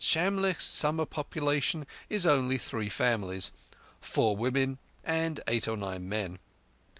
Shamlegh's summer population is only three families—four women and eight or nine men.